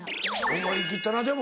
思い切ったなでも。